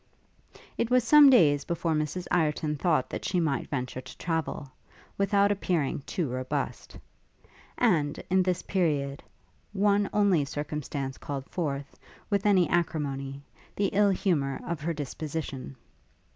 It was some days before Mrs Ireton thought that she might venture to travel, without appearing too robust. And, in this period, one only circumstance called forth, with any acrimony, the ill humour of her disposition.